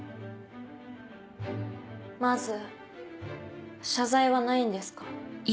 まず謝罪はないんですか？